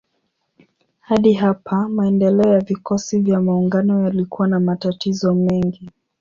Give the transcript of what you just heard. Hadi hapa maendeleo ya vikosi vya maungano yalikuwa na matatizo mengi.